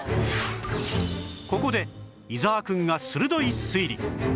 ここで伊沢くんが鋭い推理